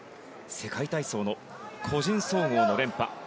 世界体操の個人総合の連覇。